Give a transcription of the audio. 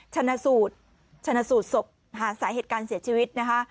ชนะสูตรชนะสูตรศพหาสาเหตุการเสียชีวิตนะคะ